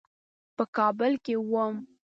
په کابل کې وم.